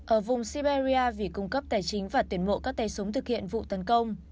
ở vùng siberia vì cung cấp tài chính và tuyển mộ các tay súng thực hiện vụ tấn công